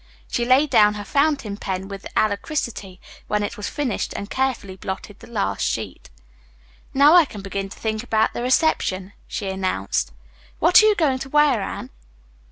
She laid down her fountain pen with alacrity when it was finished and carefully blotted the last sheet. "Now I can begin to think about the reception," she announced. "What are you going to wear, Anne?"